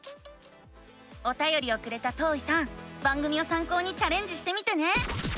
おたよりをくれたとういさん番組をさん考にチャレンジしてみてね！